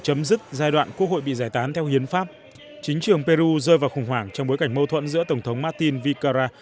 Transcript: trong giai đoạn quốc hội bị giải tán theo hiến pháp chính trường peru rơi vào khủng hoảng trong bối cảnh mâu thuẫn giữa tổng thống martin vizcarra